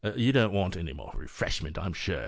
Porter. "You don't want any more refreshment, I'm sure."